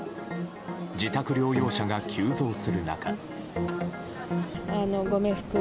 自宅療養者が急増する中。